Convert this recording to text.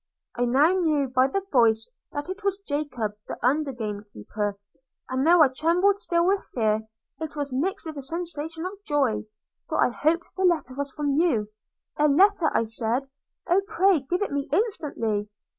'I now knew, by the voice, that it was Jacob, the under game keeper; and though I trembled still with fear, it was mixed with a sensation of joy, for I hoped the letter was from you. 'A letter!' said I. 'Oh, pray give it me instantly.'